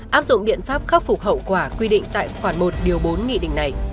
áp dụng biện pháp khắc phục hậu quả quy định tại khoản một điều bốn nghị định này